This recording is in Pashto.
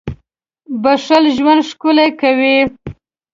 • بښل ژوند ښکلی کوي.